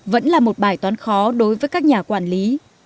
vẫn là một bài toán khó đối với các nhà quản lý